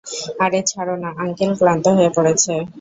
আরে ছাড় না, আংকেল ক্লান্ত হয়ে পড়েছে।